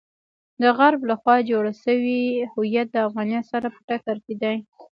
د غرب لخوا جوړ شوی هویت د افغانیت سره په ټکر کې دی.